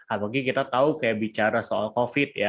apalagi kita tahu kayak bicara soal covid ya